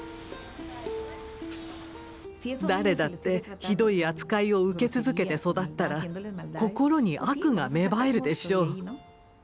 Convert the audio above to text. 誰だってひどい扱いを受け続けて育ったら心に悪が芽生えるでしょう。